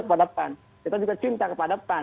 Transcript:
kepada pan kita juga cinta kepada pan